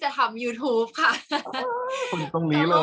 กากตัวทำอะไรบ้างอยู่ตรงนี้คนเดียว